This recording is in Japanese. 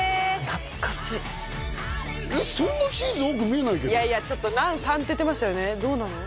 懐かしいえっそんなチーズ多く見えないけどいやいやちょっとナン３って言ってましたよねどうなの？